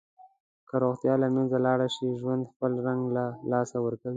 که روغتیا له منځه لاړه شي، ژوند خپل رنګ له لاسه ورکوي.